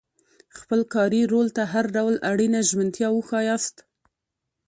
خپل کاري رول ته هر ډول اړینه ژمنتیا وښایاست.